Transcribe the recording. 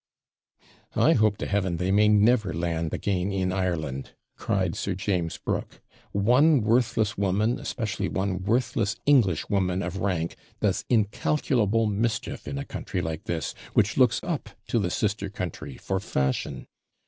'I hope to Heaven they may never land again in Ireland!' cried Sir James Brooke; 'one worthless woman, especially one worthless Englishwoman of rank, does incalculable mischief in a country like this, which looks up to the sister country for fashion.